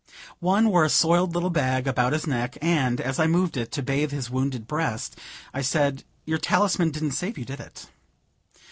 One wore a soiled little bag about his neck, and, as I moved it, to bathe his wounded breast, I said, "Your talisman didn't save you, did it?"